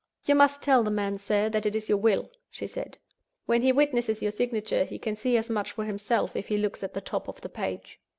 "You must tell the man, sir, that this is your Will," she said. "When he witnesses your signature, he can see as much for himself if he looks at the top of the page."